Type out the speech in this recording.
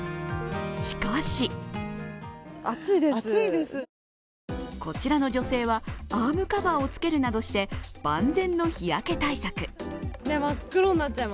しかしこちらの女性は、アームカバーをつけるなどして万全の日焼け対策。